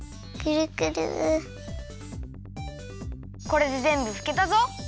これでぜんぶふけたぞ！